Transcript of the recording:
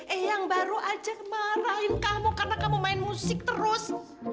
eh yang baru aja marahin kamu karena kamu main musik terus